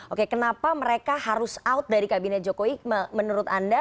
oke kenapa mereka harus out dari kabinet jokowi menurut anda